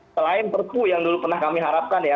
selain perpu yang dulu pernah kami harapkan ya